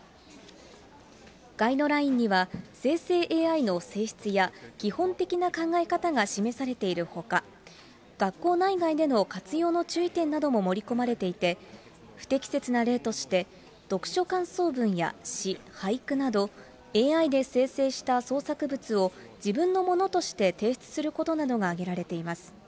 ガイドラインには生成ＡＩの性質や基本的な考え方が示されているほか、学校内外での活用の注意点なども盛り込まれていて、不適切な例として、読書感想文や詩、俳句など、ＡＩで生成した創作物を自分のものとして提出することなどが挙げられています。